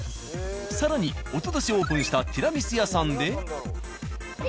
更におととしオープンしたティラミス屋さんで。